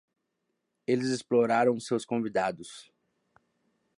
Eles exploraram seus convidados.